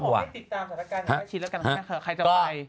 หรือไม่ชิดแล้วกันค่ะใครจะไป